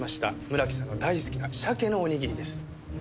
村木さんの大好きな鮭のおにぎりです。